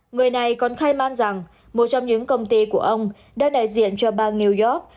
người này còn khai man rằng một trong những công ty của ông đã đại diện cho bang new york